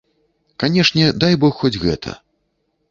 Канешне, дай бог хоць гэта!